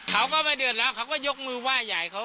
เขาก็ไม่เดือดร้อนเขาก็ยกมือว่าใหญ่เขา